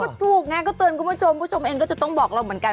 ก็ถูกไงก็เตือนคุณผู้ชมผู้ชมเองก็จะต้องบอกเราเหมือนกัน